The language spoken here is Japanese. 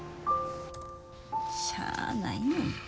しゃあないねんて。